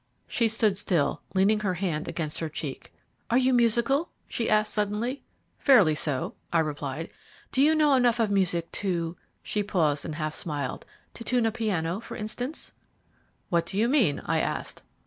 She stood still, leaning her hand against her cheek. "Are you musical?" she asked suddenly. "Fairly so," I replied. "Do you know enough of music to" she paused and half smiled "to tune a piano, for instance?" "What do you mean?" I asked.